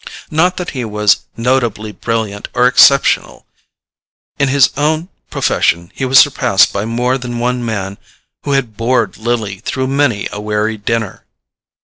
Not that he was notably brilliant or exceptional; in his own profession he was surpassed by more than one man who had bored Lily through many a weary dinner.